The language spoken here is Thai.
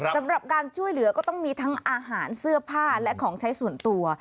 สำหรับการช่วยเหลือก็ต้องมีทั้งอาหารเสื้อผ้าและของใช้ส่วนตัว